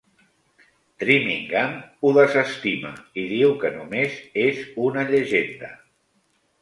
Trimingham ho desestima i diu que només és una llegenda.